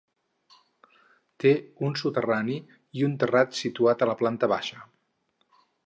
Té un soterrani i un terrat situat a la planta baixa.